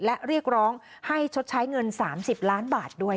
และเรียกร้องให้ชดใช้เงิน๓๐ล้านบาทด้วย